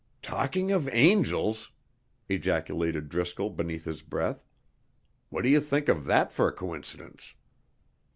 "Talking of angels!" ejaculated Driscoll beneath his breath; "what do you think of that for a coincidence?"